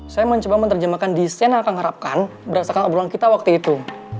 saya mencoba menerjemahkan di sen yang akan mengharapkan berasakan abu abu kita waktu itu